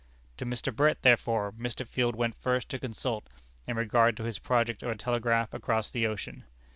To Mr. Brett, therefore, Mr. Field went first to consult in regard to his project of a telegraph across the ocean.